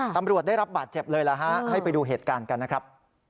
ตำรวจได้รับบาดเจ็บเลยล่ะฮะให้ไปดูเหตุการณ์กันนะครับ